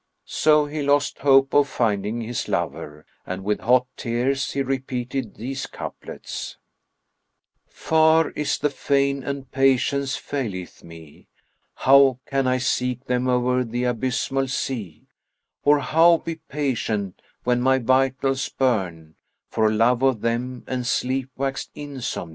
So he lost hope of finding his lover and with hot tears he repeated these couplets, "Far is the fane and patience faileth me; * How can I seek them[FN#47] o'er the abyssmal sea; Or how be patient, when my vitals burn * For love of them, and sleep waxed insomny?